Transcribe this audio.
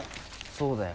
そうだよ。